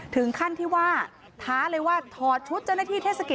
ถึงขั้นที่ว่าท้าเลยว่าถอดชุดเจ้าหน้าที่เทศกิจ